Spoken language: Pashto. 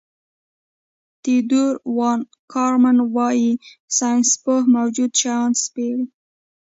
تیودور وان کارمن وايي ساینسپوه موجود شیان سپړي.